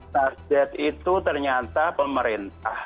target itu ternyata pemerintah